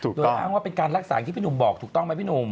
โดยอ้างว่าเป็นการรักษาอย่างที่พี่หนุ่มบอกถูกต้องไหมพี่หนุ่ม